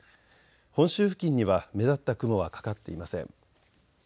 本州付近には目立った雲はかかっていません。